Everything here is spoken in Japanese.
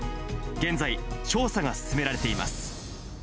現在、調査が進められています。